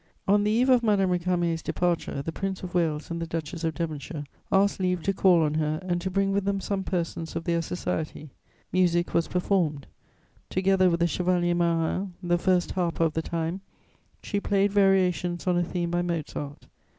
On the eve of Madame Récamier's departure, the Prince of Wales and the Duchess of Devonshire asked leave to call on her and to bring with them some persons of their society. Music was performed. Together with the Chevalier Marin, the first harper of the time, she played variations on a theme by Mozart.